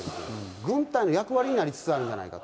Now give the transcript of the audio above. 軍隊の役割になりつつあるんじゃないかと。